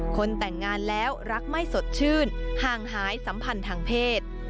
คนแต่งงานแล้วรักไม่สดชื่นห่างหายสัมพันธ์ทางเพศ